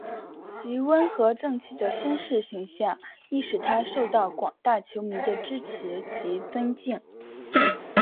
其温和正气的绅士形象亦使他受到广大球迷的支持及尊敬。